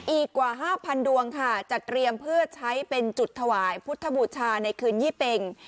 อีกกว่า๕๐๐ดวงค่ะจัดเตรียมเพื่อใช้เป็นจุดถวายพุทธบูชาในคืนยี่เป็ง